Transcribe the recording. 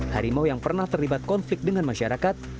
harimau yang pernah terlibat konflik dengan masyarakat